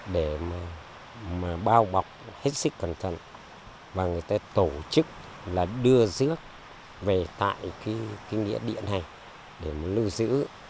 để mà bao bọc hết sức cẩn thận và người ta tổ chức là đưa dước về tại cái nghĩa điện này để mà lưu giữ